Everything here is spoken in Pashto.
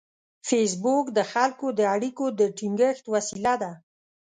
فېسبوک د خلکو د اړیکو د ټینګښت وسیله ده